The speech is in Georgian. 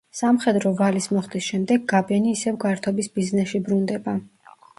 სამხედრო ვალის მოხდის შემდეგ გაბენი ისევ გართობის ბიზნესში ბრუნდება.